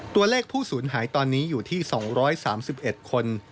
ตัวเลขผู้สูญหายตอนนี้อยู่ที่๒๓๑คน